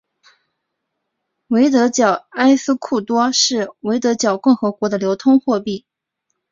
维德角埃斯库多是维德角共和国的流通货币。